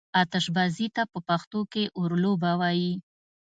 آتشبازي ته په پښتو کې اورلوبه وايي.